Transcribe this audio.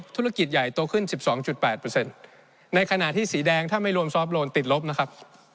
ธุรกิจใหญ่โตขึ้น๑๒๘ในขณะที่สีแดงถ้าไม่รวมซอฟต์โลนติดลบนะครับ